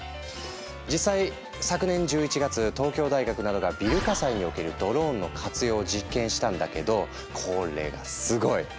実際昨年１１月東京大学などがビル火災におけるドローンの活用を実験したんだけどこれがすごい！